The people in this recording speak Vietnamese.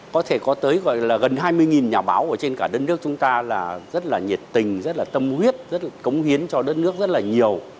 có thể có tới gọi là gần hai mươi nhà báo ở trên cả đất nước chúng ta là rất là nhiệt tình rất là tâm huyết rất là cống hiến cho đất nước rất là nhiều